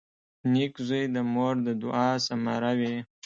• نېک زوی د مور د دعا ثمره وي.